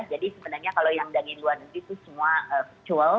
jadi sebenarnya kalau yang dari luar negeri itu semua virtual